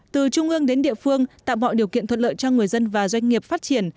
từ trung ương đến địa phương tạo mọi điều kiện thuận lợi cho người dân và doanh nghiệp phát triển